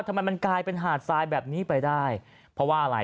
ทำไมมันกลายเป็นหาดทรายแบบนี้ไปได้เพราะว่าอะไร